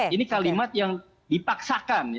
ini kalimat yang dipaksakan